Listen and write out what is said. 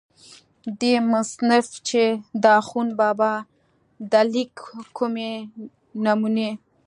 دې مصنف چې دَاخون بابا دَليک کومې نمونې